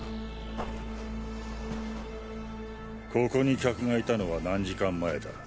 ここに客がいたのは何時間前だ？